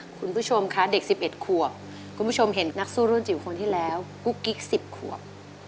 คุณผู้ชมคะเด็ก๑๑ขวบคุณผู้ชมเห็นนักสู้รุ่นจิ๋วคนที่แล้วกุ๊กกิ๊ก๑๐ขวบ